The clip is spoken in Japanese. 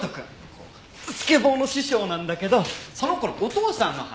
スケボーの師匠なんだけどその子のお父さんの話。